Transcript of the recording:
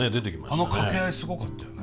あの掛け合いすごかったよね。